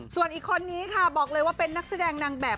ส่วนอีกคนนี้ค่ะบอกเลยว่าเป็นนักแสดงนางแบบ